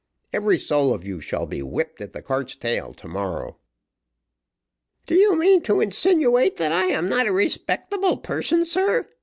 Every soul of you shall be whipped at the cart's tail to morrow." "Do you mean to insinuate that I am not a respectable person, sir?"